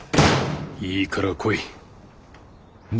いいから来い。